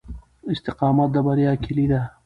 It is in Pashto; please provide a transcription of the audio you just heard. استقامت د بریا کیلي ده.